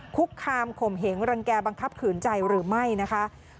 คุกคามข่มเหงรังแก่บังคับขืนใจหรือไม่นะคะ